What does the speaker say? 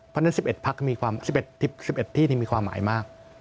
เพราะฉะนั้นสิบเอ็ดที่นี่มีความหมายมาก